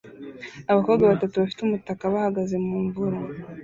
Abakobwa batatu bafite umutaka bahagaze mumvura